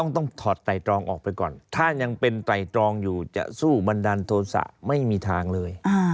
ต้องถอดไตรตรองออกไปก่อนถ้ายังเป็นไตรตรองอยู่จะสู้บันดาลโทษะไม่มีทางเลย